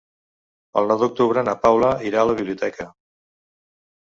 El nou d'octubre na Paula irà a la biblioteca.